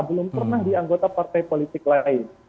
belum pernah di anggota partai politik lain